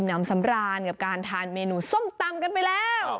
น้ำสำราญกับการทานเมนูส้มตำกันไปแล้ว